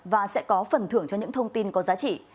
và sẽ có phần thưởng cho những thông tin có giá trị